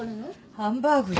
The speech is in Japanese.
ハンバーグよ。